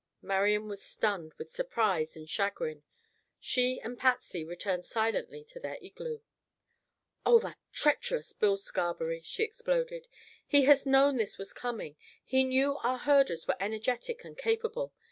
Marian was stunned with surprise and chagrin. She and Patsy returned silently to their igloo. "Oh, that treacherous Bill Scarberry!" she exploded. "He has known this was coming. He knew our herders were energetic and capable.